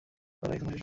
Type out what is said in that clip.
লড়াই এখনো শেষ হয়নি।